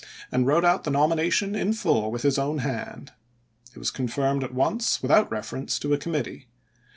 and wrote out the nomination in full with his own hand. It was confirmed at once without reference to a committee.